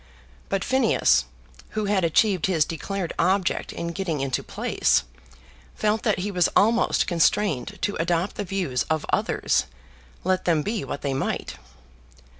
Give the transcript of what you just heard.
But Phineas, who had achieved his declared object in getting into place, felt that he was almost constrained to adopt the views of others, let them be what they might.